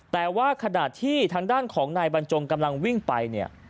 แต่ว่าขณะที่ทางด้านของนายบรรจงกำลังวิ่งไปเนี่ย